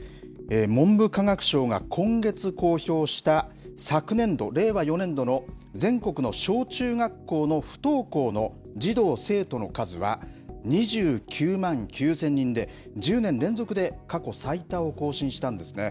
文部科学省が今月公表した昨年度・令和４年度の全国の小中学校の不登校の児童・生徒の数は、２９万９０００人で、１０年連続で過去最多を更新したんですね。